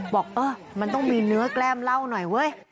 บอกเออมันต้องมีเนื้อแกล้มเหล้าหน่อยเว้ย